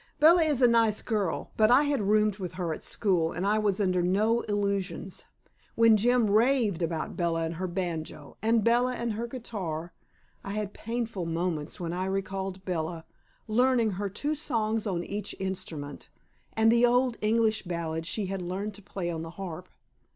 Bella is a nice girl, but I had roomed with her at school, and I was under no illusions. When Jim raved about Bella and her banjo, and Bella and her guitar, I had painful moments when I recalled Bella, learning her two songs on each instrument, and the old English ballad she had learned to play on the harp.